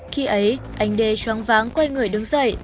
khi ấy anh đê choáng váng quay người đứng dậy